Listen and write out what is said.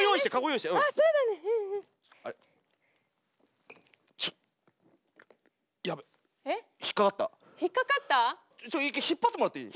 一回引っ張ってもらっていい？